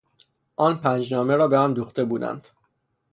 آن پنج نامه را به هم دوخته بودند.